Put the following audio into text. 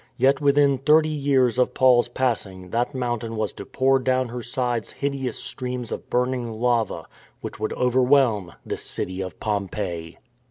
Yet within thirty years of Paul's passing that mountain was to pour down her sides hideous streams of burning lava, which would over whelm this city of Pompeii.